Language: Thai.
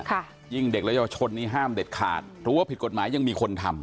ยิ่งเด็กและเยาวชนนี้ห้ามเด็ดขาดรู้ว่าผิดกฎหมายยังมีคนทำ